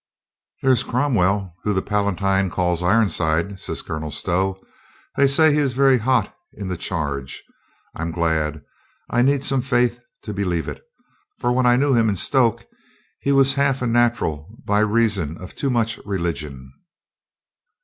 "There is Cromwell, whom the Palatine calls Ironside," said Colonel Stow. "They say he is very hot in the charge. I'gad, I need some faith to be NEWBURY VALE 171 lieve it, for when I knew him in Stoke he was half a natural by reason of too much religion."